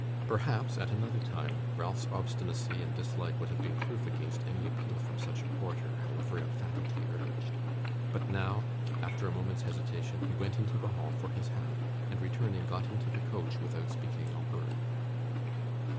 Perhaps, at, another time, Ralph's obstinacy and dislike would have been proof against any appeal from such a quarter, however emphatically urged; but now, after a moment's hesitation, he went into the hall for his hat, and returning, got into the coach without speaking a word.